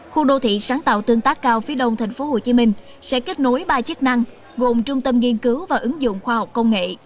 khu đô thị sáng tạo tương tác cao phía đông tp hcm sẽ kết nối ba chức năng gồm trung tâm nghiên cứu và ứng dụng khoa học công nghệ